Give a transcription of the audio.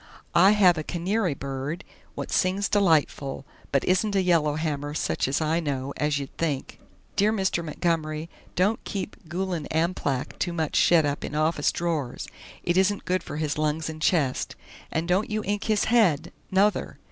I have a kinary bird wot sings deliteful but isn't a yellerhamer sutch as I know, as you'd think. Dear Mister Montgommery, don't keep Gulan Amplak to mutch shet up in office drors; it isn't good for his lungs and chest. And don't you ink his head nother!